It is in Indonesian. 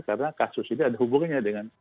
karena kasus ini ada hubungannya dengan